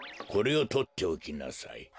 これをとっておきなさい。